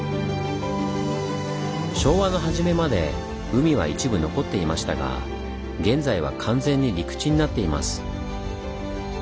昭和の初めまで海は一部残っていましたが現在は完全に陸地になっています。